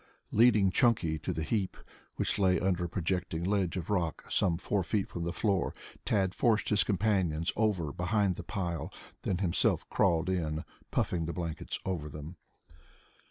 Leading Chunky to the heap, which lay under a projecting ledge of rock some four feet from the floor, Tad forced his companion over behind the pile, then himself crawled in, puffing the blankets over them.